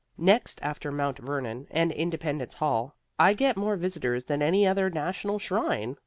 Next after Mount Vernon and Independence Hall, I get more visitors than any other national shrine.